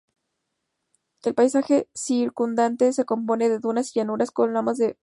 El paisaje circundante se compone de dunas, y llanuras con lomas de baja altitud.